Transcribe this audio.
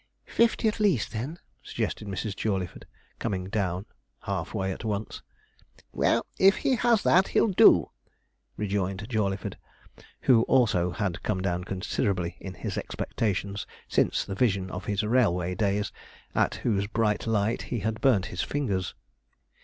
'Fifty at least, then,' suggested Mrs. Jawleyford, coming down half way at once. 'Well, if he has that, he'll do,' rejoined Jawleyford, who also had come down considerably in his expectations since the vision of his railway days, at whose bright light he had burnt his fingers.